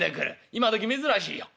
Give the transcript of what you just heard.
今どき珍しいよ」。